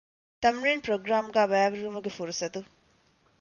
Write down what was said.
ތަމްރީން ޕްރޮގްރާމްގައި ބައިވެރިވުމުގެ ފުރުޞަތު